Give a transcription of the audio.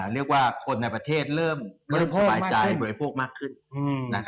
เรียกว่าคนในประเทศเริ่มสบายใจบริโภคมากขึ้น